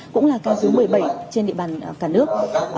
cũng là cao dưới một mươi bảy trên địa bàn cả nước